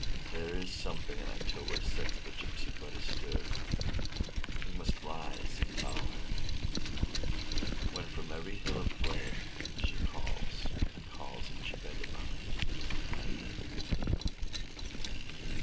There is something in October sets the gypsy blood astir; We must rise and follow her, When from every hill of flameShe calls and calls each vagabond by name.